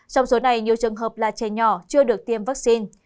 trong số này nhiều trường hợp là trẻ nhỏ chưa được tiêm vaccine